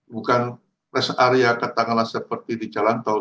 bukan rest area katakanlah seperti di jalan tol